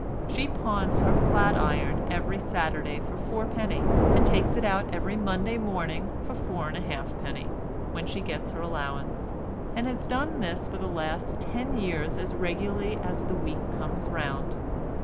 She pawns her flat iron every Saturday for 4d., and takes it out every Monday morning for 4.5d. when she gets her allowance, and has done this for the last ten years as regularly as the week comes round.